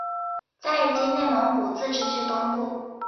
在今内蒙古自治区东部。